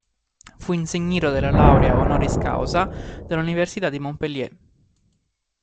Fu insignito della laurea "honoris causa" dall'Università di Montpellier.